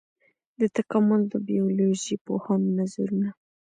د تکامل د بيولوژي پوهانو نظرونه.